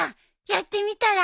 やってみたら？